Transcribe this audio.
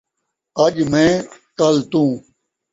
اڄ میں کل توں